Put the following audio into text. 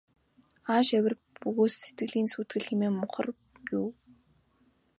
Ааш авир бөгөөс сэтгэлийн сүйтгэл хэмээн мунхар юу.